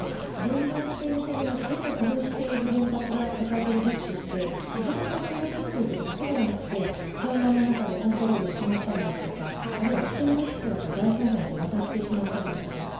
現存している現在稼働している原発が抱えているリスクって意図的な攻撃ということだけではなくて混乱の中でコントロールを失ったりですとかあるいは危険物質が第三者に渡ってしまったりですとか